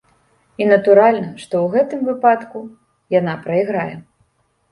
І, натуральна, што ў гэтым выпадку яна прайграе.